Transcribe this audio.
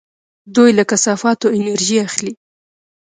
دوی له کثافاتو انرژي اخلي.